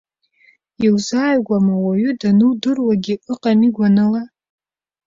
Иузааигәам ауаҩы данудыруагьы ыҟами гәаныла.